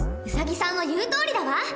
ウサギさんの言うとおりだわ。